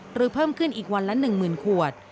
เพิ่มขึ้นอีกวันละ๑๐๐๐ขวด